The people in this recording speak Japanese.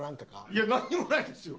いや何もないですよ。